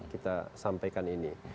kita sampaikan ini